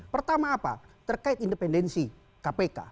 pertama apa terkait independensi kpk